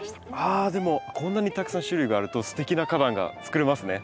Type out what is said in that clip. あでもこんなにたくさん種類があるとすてきな花壇がつくれますね。